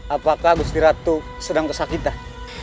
apakah gusti ratu sedang kesakitan